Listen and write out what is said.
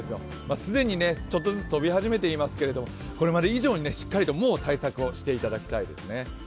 既にちょっとずつ飛び始めていますけどこれまで以上にしっかりと、もう対策をしていただきたいですね。